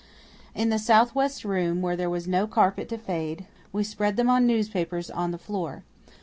In the south west room, where there was no carpet to fade, we spread them on newspapers on the floor.